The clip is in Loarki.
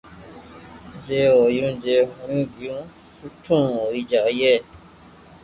جي ھويو جي ھوئي گيو سٺو ھوئي جائي